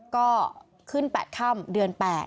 ก็ขึ้น๘ค่ำเดือน๘